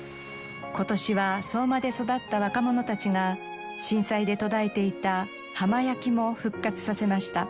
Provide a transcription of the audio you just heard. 今年は相馬で育った若者たちが震災で途絶えていた浜焼きも復活させました。